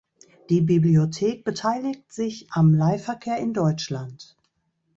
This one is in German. Die Bibliothek beteiligt sich am Leihverkehr in Deutschland.